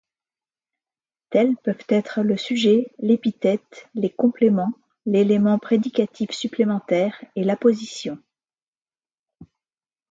Tels peuvent être le sujet, l’épithète, les compléments, l’élément prédicatif supplémentaire et l’apposition.